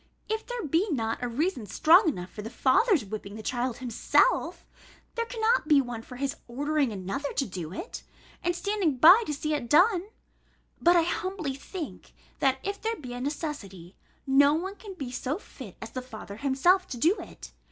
If there be not a reason strong enough for the father's whipping the child himself, there cannot be one for his ordering another to do it, and standing by to see it done. But I humbly think, that if there be a necessity, no one can be so fit as the father himself to do it.